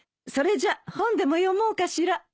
それじゃ本でも読もうかしら。